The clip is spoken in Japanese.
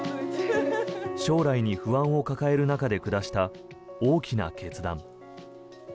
将来に不安を抱える中で下した大きな決断。